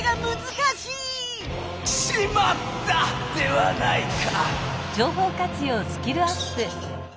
「しまった！」ではないか！